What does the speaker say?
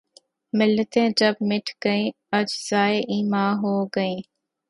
ملتیں جب مٹ گئیں‘ اجزائے ایماں ہو گئیں